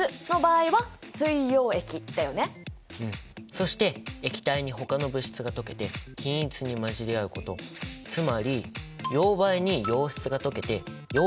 そして液体にほかの物質が溶けて均一に混じり合うことつまり溶媒に溶質が溶けて溶液ができることが溶解だ。